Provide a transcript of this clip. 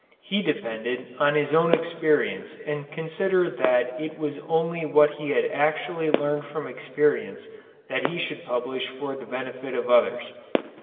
He depended on his own experience and considered that it was only what he had actually learned from experience that he should publish for the benefit of others.